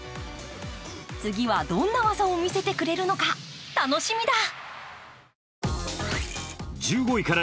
次はどんな技を見せてくれるのか楽しみだ。